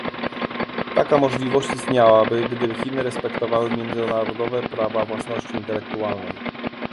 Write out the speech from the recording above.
Taka możliwość istniałaby, gdyby Chiny respektowały międzynarodowe prawa własności intelektualnej